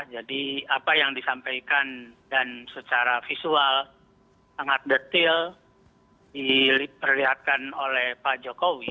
jadi apa yang disampaikan dan secara visual sangat detail diperlihatkan oleh pak jokowi